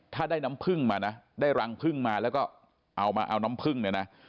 ถ้าได้น้ำพึ่งมานะได้รังพึ่งมาแล้วก็เอามาเอาน้ำพึ่งเนี่ยนะ